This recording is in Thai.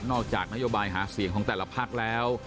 จากนโยบายหาเสียงของแต่ละพักแล้ว